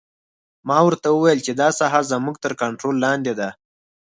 ما ورته وویل چې دا ساحه زموږ تر کنترول لاندې ده